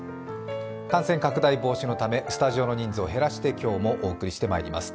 感染拡大防止のため、スタジオの人数を減らして今日もお送りしてまいります。